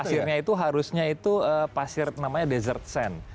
pasirnya itu harusnya itu pasir namanya desert sen